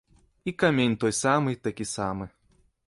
І камень той самы і такі самы.